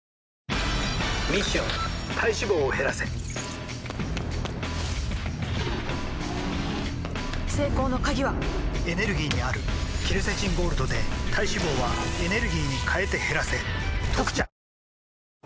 ミッション体脂肪を減らせ成功の鍵はエネルギーにあるケルセチンゴールドで体脂肪はエネルギーに変えて減らせ「特茶」ポイントは。